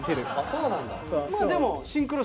そうなんだ。